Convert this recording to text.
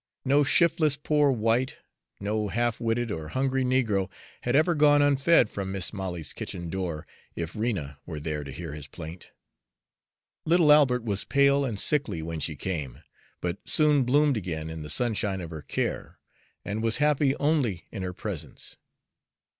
No shiftless poor white, no half witted or hungry negro, had ever gone unfed from Mis' Molly's kitchen door if Rena were there to hear his plaint. Little Albert was pale and sickly when she came, but soon bloomed again in the sunshine of her care, and was happy only in her presence.